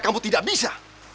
kamu tidak bisa